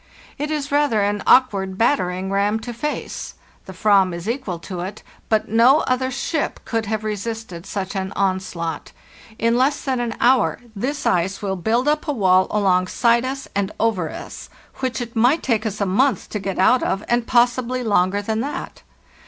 It is rather an awkward battering ram to face. The Fram is equal to it, but no other ship could have re sisted such an onslaught. In less than an hour this ice will build up a wall alongside us and over us which it might take us a month to get out of, and possibly longer than that.